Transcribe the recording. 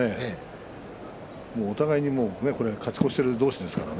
お互いに勝ち越している同士ですからね。